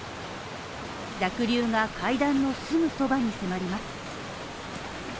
濁流が階段のすぐそばに迫ります。